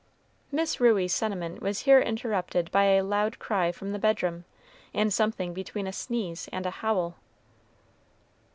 Miss Ruey's sentiment was here interrupted by a loud cry from the bedroom, and something between a sneeze and a howl.